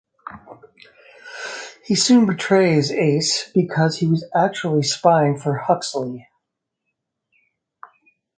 He soon betrays Ace because he was actually spying for Huxley.